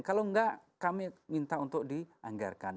kalau enggak kami minta untuk dianggarkan